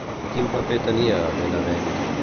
Quin paper tenia Benabent?